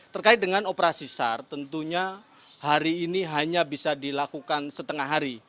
terkait dengan operasi sar tentunya hari ini hanya bisa dilakukan setengah hari